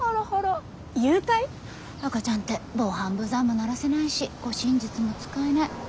赤ちゃんって防犯ブザーも鳴らせないし護身術も使えない。